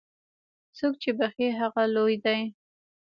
څوک چې بخښي، هغه لوی دی.